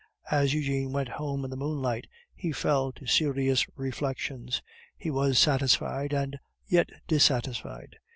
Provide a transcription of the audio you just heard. As Eugene went home in the moonlight, he fell to serious reflections. He was satisfied, and yet dissatisfied.